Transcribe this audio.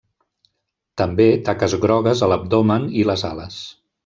També taques grogues a l'abdomen i les ales.